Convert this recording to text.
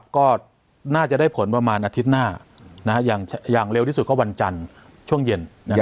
ก็น่าจะได้ผลประมาณอาทิตย์หน้าอย่างเร็วที่สุดก็วันจันทร์ช่วงเย็น